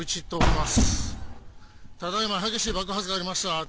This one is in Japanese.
ただ今激しい爆発がありました。